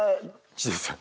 千鳥さん。